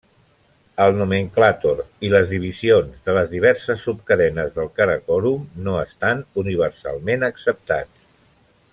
El nomenclàtor i les divisions de les diverses subcadenes del Karakoram no estan universalment acceptats.